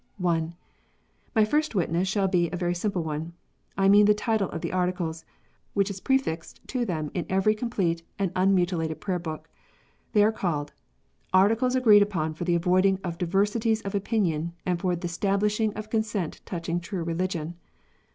(1) My first witness shall be a very simple one. I mean the title of the Articles, which is prefixed to them in every com plete and unmutilated Prayer book. They are called, " Articles agreed upon for the avoiding of Diversities of Opinion, and for the stabli siring of Consent touching true Religion."